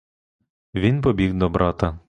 Він побіг до брата.